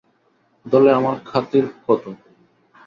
দলে আমার খাতির কত!